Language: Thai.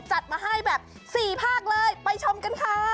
จัดมาให้แบบ๔ภาคเลยไปชมกันค่ะ